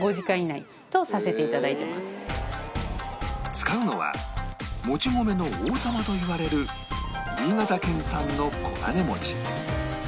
使うのは餅米の王様といわれる新潟県産のこがねもち